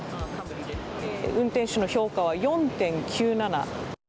運転手の評価は４．９７。